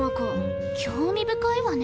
興味深いわね。